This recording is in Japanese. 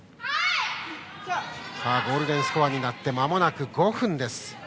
ゴールデンスコアになってまもなく５分です。